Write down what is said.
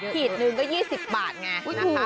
ขีดหนึ่งก็๒๐บาทไงนะคะ